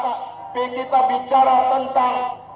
tapi kita bicara tentang